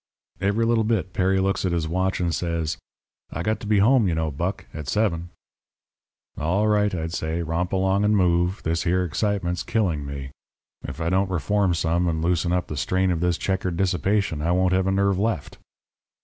"Every little bit Perry looks at his watch and says: "'I got to be home, you know, Buck, at seven.' "'All right,' I'd say. 'Romp along and move. This here excitement's killing me. If I don't reform some, and loosen up the strain of this checkered dissipation I won't have a nerve left.'